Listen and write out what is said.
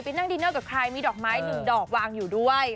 นั่งดินเนอร์กับใครมีดอกไม้หนึ่งดอกวางอยู่ด้วย